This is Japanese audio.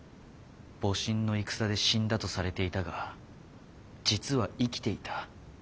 戊辰の戦で死んだとされていたが実は生きていた。